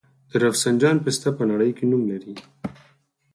د رفسنجان پسته په نړۍ کې نوم لري.